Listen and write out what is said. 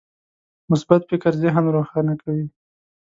مثبت فکر ذهن روښانه کوي.